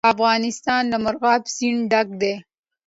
افغانستان له مورغاب سیند ډک دی.